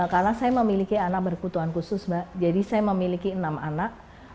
karena saya memiliki anak berkebutuhan khusus jadi saya memiliki enam anak